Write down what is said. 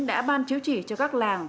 đã ban chiếu chỉ cho các làng